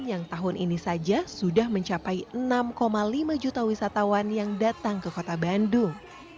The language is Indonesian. yang tahun ini saja sudah mencapai enam lima juta wisatawan yang datang ke kota bandung